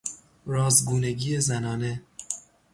راز گونگی زنانه